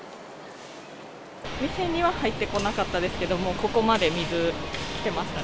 店には入ってこなかったですけど、もう、ここまで水来てました。